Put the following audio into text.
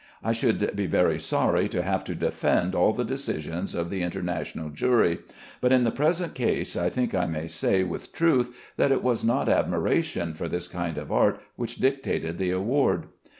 I should be very sorry to have to defend all the decisions of the international jury, but in the present case I think I may say with truth that it was not admiration for this kind of art which dictated the award.